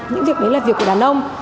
những việc đấy là việc của đàn ông